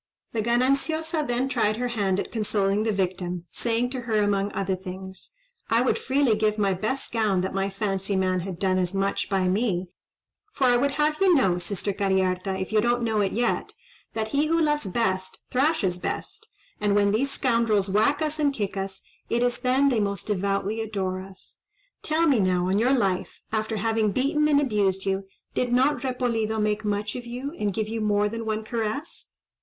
The Gananciosa then tried her hand at consoling the victim; saying to her, among other things—"I would freely give my best gown that my fancy man had done as much by me; for I would have you know, sister Cariharta, if you don't know it yet, that he who loves best thrashes best; and when these scoundrels whack us and kick us, it is then they most devoutly adore us. Tell me now, on our life, after having beaten and abused you, did not Repolido make much of you, and give you more than one caress?"